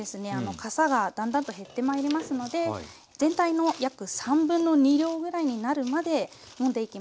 かさがだんだんと減ってまいりますので全体の約2/3量ぐらいになるまでもんでいきます。